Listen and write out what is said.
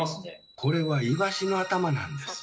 これはイワシの頭なんです。